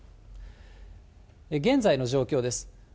現在の状況です。